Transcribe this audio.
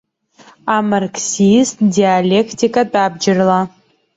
Амарксист диалектикатә абџьарла.